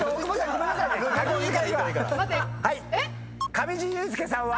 上地雄輔さんは。